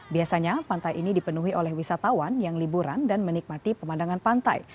biasanya pantai ini dipenuhi oleh wisatawan yang liburan dan menikmati pemandangan pantai